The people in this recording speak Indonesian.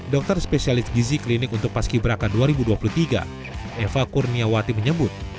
dokter spesialis gizi klinik untuk paski beraka dua ribu dua puluh tiga eva kurniawati menyebut